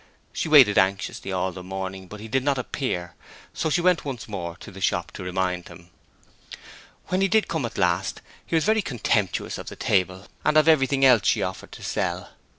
She waited anxiously all the morning, but he did not appear, so she went once more to the shop to remind him. When he did come at last he was very contemptuous of the table and of everything else she offered to sell.